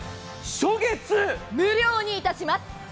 初月無料にします。